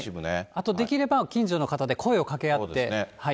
あと、できれば近所の方で声をかけ合って。